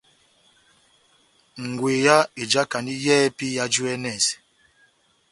Ngweya ejakandi yɛhɛpi yajú e yɛnɛsɛ.